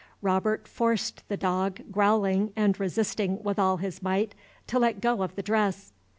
Robert forced the dog, growling and resisting with all his might, to let go of the dress.